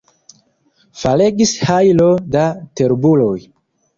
Falegis hajlo da terbuloj.